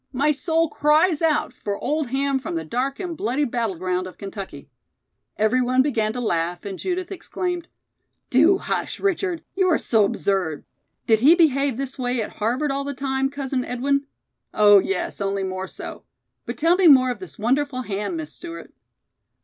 My soul cries out for old ham from the dark and bloody battleground of Kentucky!" Everybody began to laugh, and Judith exclaimed: "Do hush, Richard. You are so absurd! Did he behave this way at Harvard all the time, Cousin Edwin?" "Oh, yes; only more so. But tell me more of this wonderful ham, Miss Stewart."